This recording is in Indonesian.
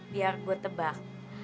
biar gue tebak